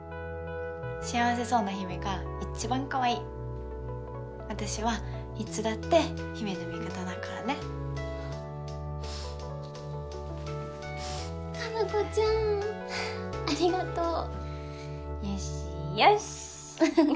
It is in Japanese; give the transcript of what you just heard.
幸せそうな陽芽が一番かわいい私はいつだって陽芽の味方だからね加奈子ちゃんありがとうよしよしっ